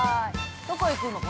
◆どこ行くの？